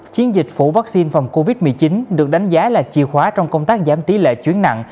chiến dịch phủ vaccine phòng covid một mươi chín được đánh giá là chìa khóa trong công tác giảm tỷ lệ chuyển nặng